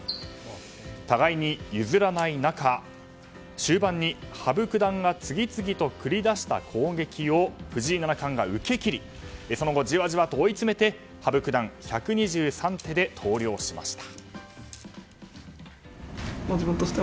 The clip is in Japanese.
互いに譲らない中終盤に羽生九段が次々と繰り出した攻撃を藤井七冠が受けきりその後、じわじわと追いつめて羽生九段は１２３手で投了しました。